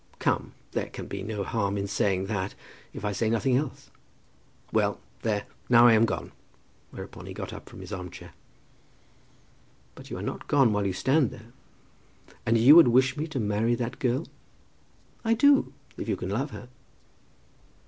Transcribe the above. Come; there can be no harm in saying that, if I say nothing else. Well; there, now I am gone." Whereupon he got up from his arm chair. "But you are not gone while you stand there." "And you would really wish me to marry that girl?" "I do, if you can love her."